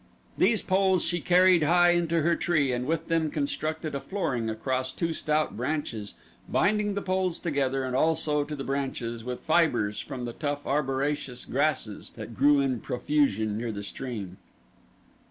These poles she carried high into her tree and with them constructed a flooring across two stout branches binding the poles together and also to the branches with fibers from the tough arboraceous grasses that grew in profusion near the stream.